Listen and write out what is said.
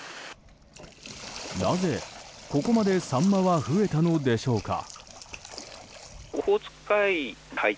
なぜここまでサンマは増えたのでしょうか。